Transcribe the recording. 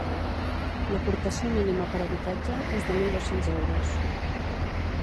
L'aportació mínima per habitatge és de mil dos-cents euros.